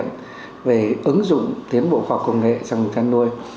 vấn đề lớn thứ ba là phải nhanh chóng cải thiện về ứng dụng tiến bộ khoa học công nghệ trong chăn nuôi